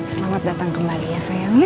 selamat datang kembali ya sayang ya